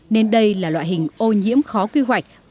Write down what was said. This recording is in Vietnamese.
nên đây là loại hình ô nhiễm khó quy hoạch